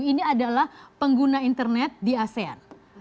ini adalah pengguna internet di asean